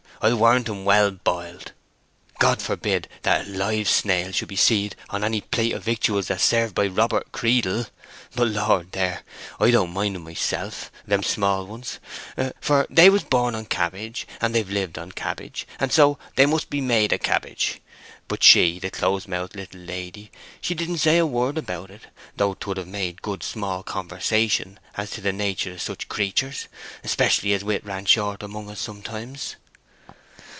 I warrant him well boiled. God forbid that a live snail should be seed on any plate of victuals that's served by Robert Creedle....But Lord, there; I don't mind 'em myself—them small ones, for they were born on cabbage, and they've lived on cabbage, so they must be made of cabbage. But she, the close mouthed little lady, she didn't say a word about it; though 'twould have made good small conversation as to the nater of such creatures; especially as wit ran short among us sometimes."